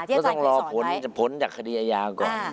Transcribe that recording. ก็ต้องรอผลผลจากคดีอาญาก่อน